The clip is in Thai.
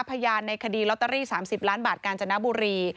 พยานในคดีลอตเตอรี่๓๐ล้านบาทกาญจนบุรี